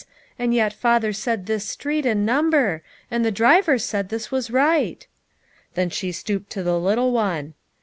and yet father said this street and number ; and the driver said this was right." Then she stooped to the little one.